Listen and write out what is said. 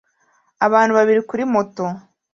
Abantu babiri kuri moto